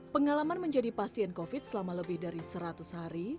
pengalaman menjadi pasien covid selama lebih dari seratus hari